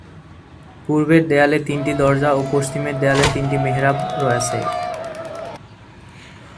পূর্বের দেওয়ালে তিনটি দরজা ও পশ্চিমের দেওয়ালে তিনটি মেহরাব আছে।